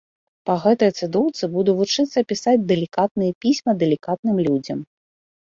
Па гэтай цыдулцы буду вучыцца пісаць далікатныя пісьмы далікатным людзям.